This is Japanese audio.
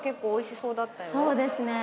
そうですね。